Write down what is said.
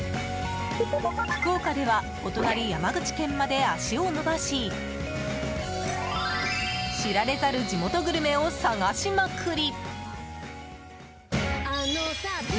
福岡ではお隣、山口県まで足をのばし知られざる地元グルメを探しまくり！